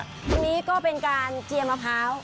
อันนี้ก็เป็นการเจียนมะพร้าว